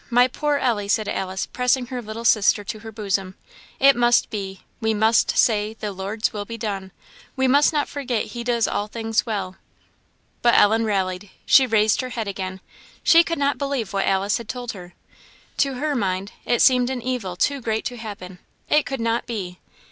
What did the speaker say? my poor Ellie!" said Alice, pressing her little sister to her bosom "it must be! We must say 'the Lord's will be done;' we must not forget he does all things well." But Ellen rallied; she raised her head again: she could not believe what Alice had told her. To her mind, it seemed an evil too great to happen; it could not be!